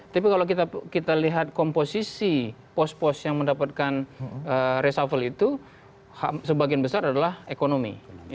tapi kalau kita lihat komposisi pos pos yang mendapatkan reshuffle itu sebagian besar adalah ekonomi